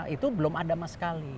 itu belum ada sama sekali